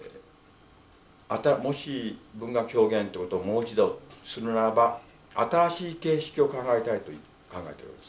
もし文学表現ということをもう一度するならば新しい形式を考えたいと考えているわけです。